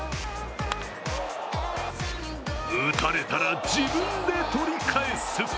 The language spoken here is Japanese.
打たれたら自分で取り返す。